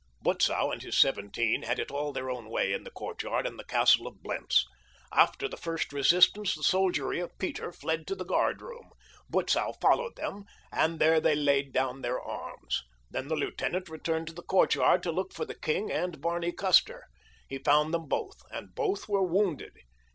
Butzow and his seventeen had it all their own way in the courtyard and castle of Blentz. After the first resistance the soldiery of Peter fled to the guardroom. Butzow followed them, and there they laid down their arms. Then the lieutenant returned to the courtyard to look for the king and Barney Custer. He found them both, and both were wounded.